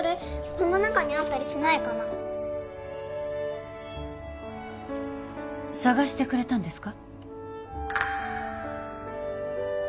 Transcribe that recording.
この中にあったりしないかな探してくれたんですか？